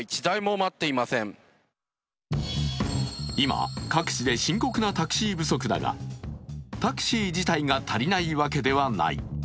今、各地で深刻なタクシー不足だがタクシー自体が足りないわけではない。